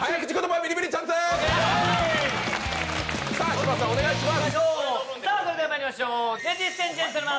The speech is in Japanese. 柴田さん、お願いします。